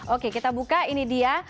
oke kita buka ini dia